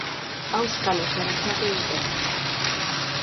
Auskalo zer asmatu duten!